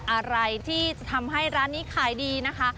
อะไรที่จะทำให้ร้านนี้ขายดีนะคะ